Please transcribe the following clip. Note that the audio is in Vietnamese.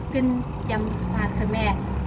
kinh châm hoa khmer